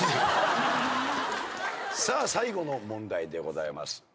さあ最後の問題でございます。